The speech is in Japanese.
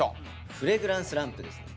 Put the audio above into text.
フレグランスランプですね。